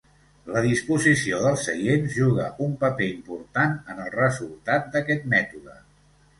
La disposició dels seients juga un paper important en el resultat d'aquest mètode.